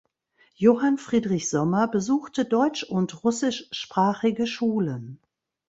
Johann Friedrich Sommer besuchte deutsch- und russischsprachige Schulen.